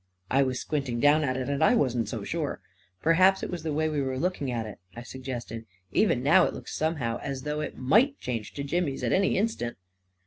" I was squinting down at it, and I wasn't so sure. " Perhaps it was the way we were looking at it," I suggested. " Even now, it looks somehow as v though it might change to Jimmy's at any instant."